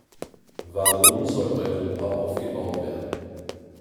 Warum soll Europa aufgebaut werden?